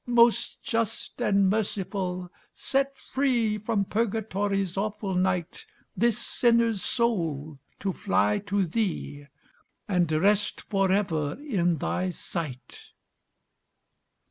"Most Just and Merciful, set free From Purgatory's awful night This sinner's soul, to fly to Thee, And rest for ever in Thy sight."